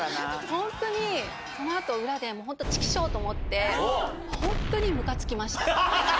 本当に、そのあと裏で、本当ちきしょーと思って、本当にむかつきました。